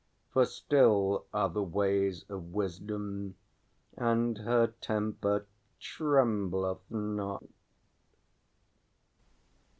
For still are the ways of Wisdom, and her temper trembleth not!